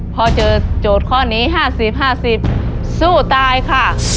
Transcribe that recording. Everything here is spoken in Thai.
พอเจอโจทย์ข้อนี้๕๐๕๐สู้ตายค่ะ